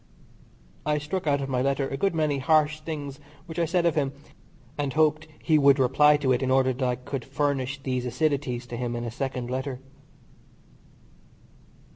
I struck out of my letter a good many harsh things which I said of him, and hoped he would reply to it in order that I could furnish these acidities to him in a second letter.